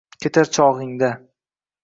Ketar chog’ingda